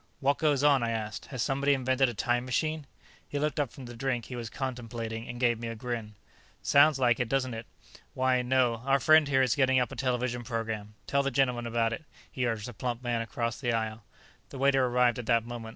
"What goes on?" I asked. "Has somebody invented a time machine?" He looked up from the drink he was contemplating and gave me a grin. "Sounds like it, doesn't it? Why, no; our friend here is getting up a television program. Tell the gentleman about it," he urged the plump man across the aisle. The waiter arrived at that moment.